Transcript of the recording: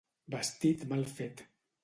Vestit mal fet.